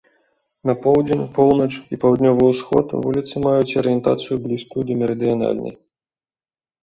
На поўдзень, поўнач і паўднёвы ўсход вуліцы маюць арыентацыю, блізкую да мерыдыянальнай.